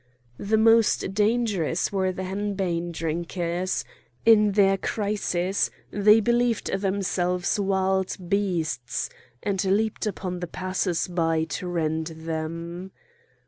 The most dangerous were the henbane drinkers; in their crisis they believed themselves wild beasts, and leaped upon the passers by to rend them.